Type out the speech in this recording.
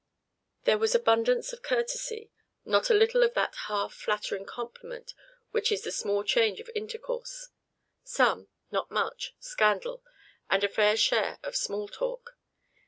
There was abundance of courtesy; not a little of that half flattering compliment which is the small change of intercourse; some not much scandal, and a fair share of small talk.